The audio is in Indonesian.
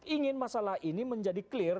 ingin masalah ini menjadi clear